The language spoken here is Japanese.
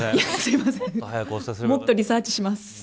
もっとリサーチします。